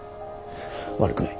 悪くない。